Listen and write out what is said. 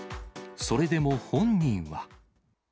それでも本人は。